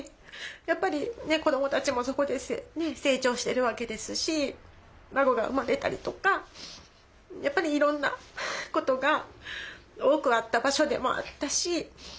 やっぱり子どもたちもそこで成長してるわけですし孫が生まれたりとかやっぱりいろんなことが多くあった場所でもあったし。